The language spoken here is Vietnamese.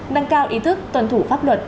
đăng cao ý thức tuần thủ pháp luật